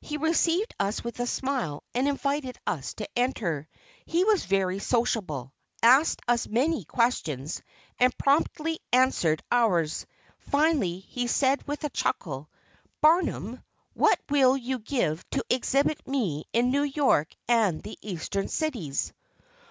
He received us with a smile and invited us to enter. He was very sociable, asked us many questions, and promptly answered ours. Finally he said with a chuckle: "Barnum, what will you give to exhibit me in New York and the Eastern cities?"